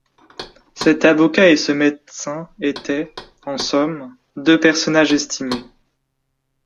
Cet avocat et ce médecin étaient, en somme, deux personnages estimés.